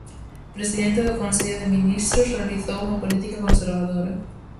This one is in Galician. Presidente do Consello de Ministros, realizou unha política conservadora.